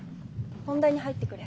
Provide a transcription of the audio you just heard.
本題に入ってくれ。